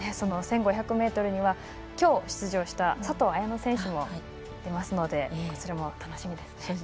その１５００ｍにはきょう出場した佐藤綾乃選手も出ますので楽しみですね。